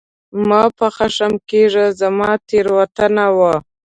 مه په خښم کېږه ، زما تېروتنه وه !